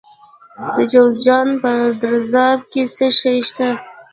د جوزجان په درزاب کې څه شی شته؟